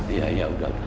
iya iya udah pak